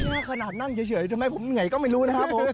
ขนาดนั่งเฉยทำไมผมเหนื่อยก็ไม่รู้นะครับผม